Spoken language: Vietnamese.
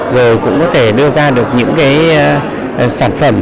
rồi cũng có thể đưa ra được những cái sản phẩm